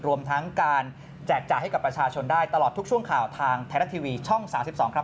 รวมทั้งการแจกจ่ายให้กับประชาชนได้ตลอดทุกช่วงข่าวทางไทยรัฐทีวีช่อง๓๒ครับ